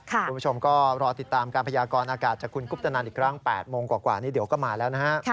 คุณผู้ชมก็รอติดตามการพยากรอากาศจากคุณกุปตนันอีกครั้ง๘โมงกว่านี้เดี๋ยวก็มาแล้วนะฮะ